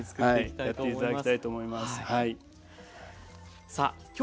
やって頂きたいと思います。